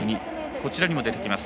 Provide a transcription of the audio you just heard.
こちらにも出てきます。